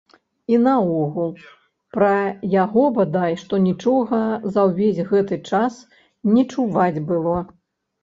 І наогул, пра яго бадай што нічога за ўвесь гэты час не чуваць было.